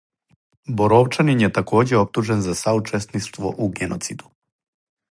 Боровчанин је такође оптужен за саучесништво у геноциду.